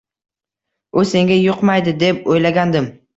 U senga yuqmaydi, deb o`ylagandim